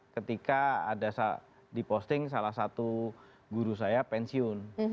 ketika ada diposting salah satu guru saya pensiun